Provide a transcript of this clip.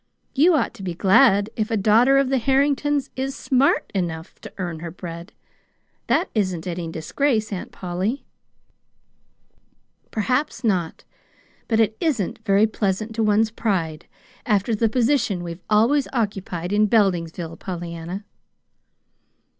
"You ought to be glad if a daughter of the Harringtons is SMART enough to earn her bread! That isn't any disgrace, Aunt Polly." "Perhaps not; but it isn't very pleasant to one's pride, after the position we've always occupied in Beldingsville, Pollyanna."